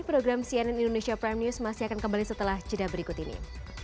program cnn indonesia prime news masih akan kembali setelah jeda berikut ini